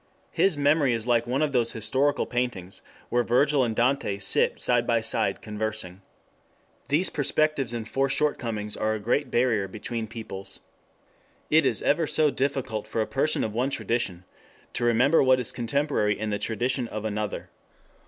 His memory is like one of those historical paintings, where Virgil and Dante sit side by side conversing. These perspectives and foreshortenings are a great barrier between peoples. It is ever so difficult for a person of one tradition to remember what is contemporary in the tradition of another.